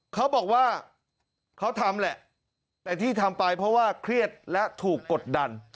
เขาบอกว่าเขาทำแหละแต่ที่ทำไปเพราะว่าเครียดและถูกกดดัน